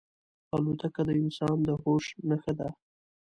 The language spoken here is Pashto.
الوتکه د انسان د هوش نښه ده.